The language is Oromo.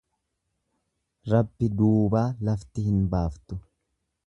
Rabbi duubaa lafti hin baaftu.